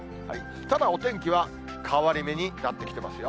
ただ、お天気は変わり目になってきてますよ。